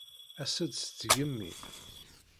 As-d s tgemmi.